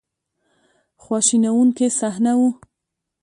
خواشینونکې صحنه وه.